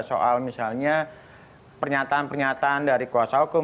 soal misalnya pernyataan pernyataan dari kuasa hukum